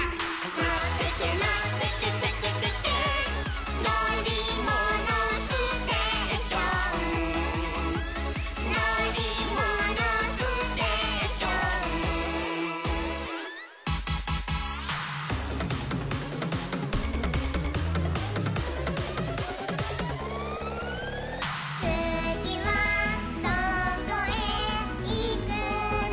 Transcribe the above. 「のってけのってけテケテケ」「のりものステーション」「のりものステーション」「つぎはどこへいくのかな」